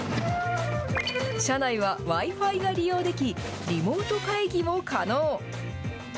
車内はＷｉ−Ｆｉが利用でき、リモート会議も可能。